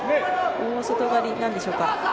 大外刈りなんでしょうか。